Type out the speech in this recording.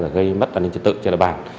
gây mất đoàn nhân trật tự trên đại bảng